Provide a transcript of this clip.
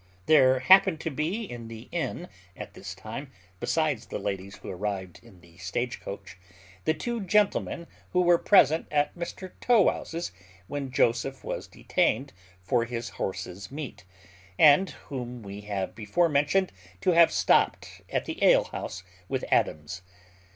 There happened to be in the inn, at this time, besides the ladies who arrived in the stage coach, the two gentlemen who were present at Mr Tow wouse's when Joseph was detained for his horse's meat, and whom we have before mentioned to have stopt at the alehouse with Adams.